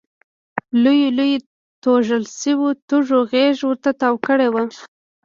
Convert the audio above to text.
لویو لویو توږل شویو تیږو غېږ ورته تاو کړې وه.